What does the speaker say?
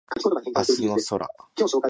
明日の空